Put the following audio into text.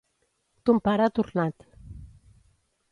Ton pare ha tornat.